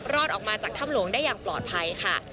รอดออกมาจากถ้ำหลวงได้อย่างปลอดภัยค่ะ